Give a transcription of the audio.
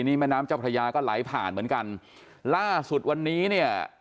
นี่แม่น้ำเจ้าพระยาก็ไหลผ่านเหมือนกันล่าสุดวันนี้เนี่ย